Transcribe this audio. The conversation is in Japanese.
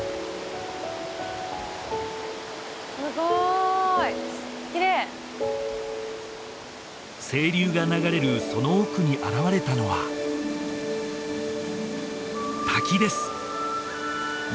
すごいきれい清流が流れるその奥に現れたのは滝です